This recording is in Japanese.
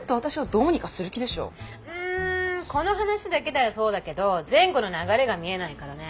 うんこの話だけではそうだけど前後の流れが見えないからねぇ。